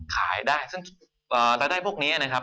ขายได้ซึ่งรายได้พวกนี้นะครับ